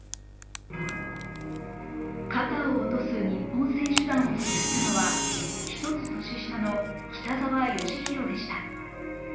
肩を落とす日本選手団を救ったのは一つ年下の北沢欣浩でした。